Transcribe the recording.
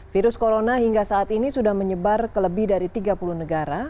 virus corona hingga saat ini sudah menyebar ke lebih dari tiga puluh negara